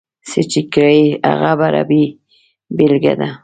څه چې کرې، هغه به رېبې بېلګه ده.